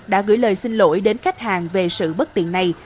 đã gửi lời xin lỗi đến khách hàng về sự bất tiện này